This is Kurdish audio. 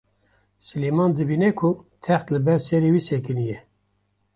Silêman dibîne ku text li ber serê wî sekiniye.